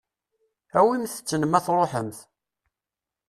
Awimt-ten ma tṛuḥemt.